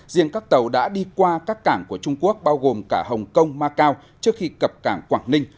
riêng các tàu đã đi qua các cảng của trung quốc bao gồm cả hồng kông macau trước khi cập cảng quảng ninh